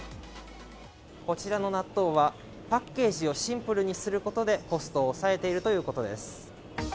こちらの納豆はパッケージをシンプルにすることでコストを抑えているということです。